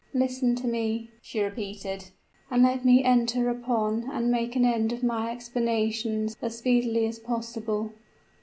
"Listen to me," she repeated; "and let me enter upon and make an end of my explanations as speedily as possible.